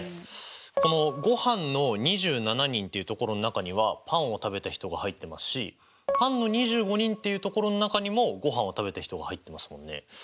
このごはんの２７人っていう所の中にはパンを食べた人が入ってますしパンの２５人っていう所の中にもごはんを食べた人が入ってますもんね。